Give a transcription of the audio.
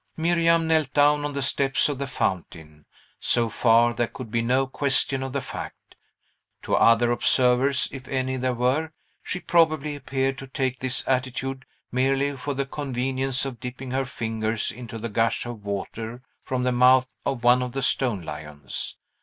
Miriam knelt down on the steps of the fountain; so far there could be no question of the fact. To other observers, if any there were, she probably appeared to take this attitude merely for the convenience of dipping her fingers into the gush of water from the mouth of one of the stone lions.